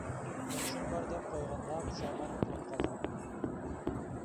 تونۇشۇم بار دەپ قويغانغا پۇشايمانمۇ قىلىپ قالدىم.